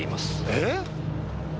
えっ！？